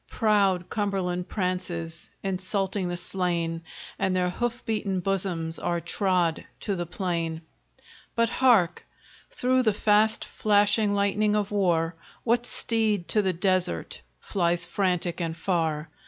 Proud Cumberland prances, insulting the slain, And their hoof beaten bosoms are trod to the plain. But hark! through the fast flashing lightning of war, What steed to the desert flies frantic and far?